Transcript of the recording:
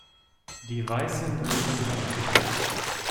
Die weißen Blüten hängen.